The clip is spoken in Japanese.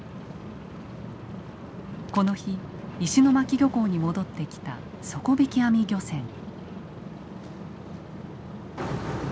この日石巻漁港に戻ってきた底びき網漁船。